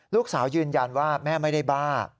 ลูกสาวยืนยันว่าแม่ไม่ได้บ้า